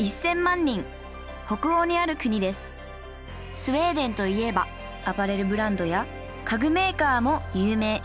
スウェーデンといえばアパレルブランドや家具メーカーも有名。